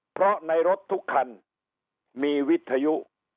เพราะในรถทุกคันมีวิทยุ